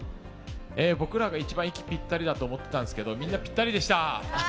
僕らが一番、息ぴったりだと思ってたんですけど、みんな、ぴったりでした。